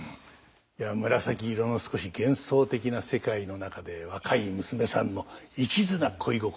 いや紫色の少し幻想的な世界の中で若い娘さんの一途な恋心